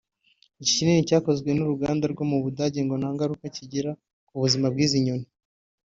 Iki kinini cyakozwe n’uruganda rwo mu Budage ngo nta ngaruka kigira ku buzima bw’izi nyoni